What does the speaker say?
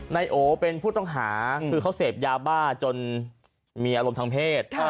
นายโอเป็นผู้ต้องหาคือเขาเสพยาบ้าจนมีอารมณ์ทางเพศ